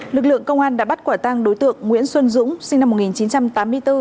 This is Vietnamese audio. lực lượng công an đã bắt quả tang đối tượng nguyễn xuân dũng sinh năm một nghìn chín trăm tám mươi bốn